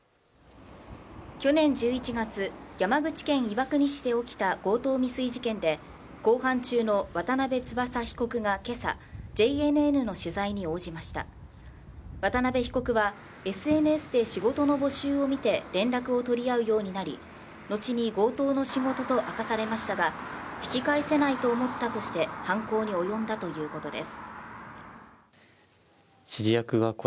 去年１１月山口県岩国市で起きた強盗未遂事件で公判中の渡邉翼被告が今朝ＪＮＮの取材に応じました渡邉被告はＳＮＳで仕事の募集を見て連絡を取り合うようになり後に強盗の仕事と明かされましたが引き返せないと思ったとして犯行に及んだということです